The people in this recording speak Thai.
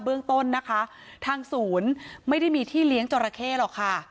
เรื่องต้นนะคะทางศูนย์ไม่ได้มีที่เลี้ยงจราเข้หรอกค่ะ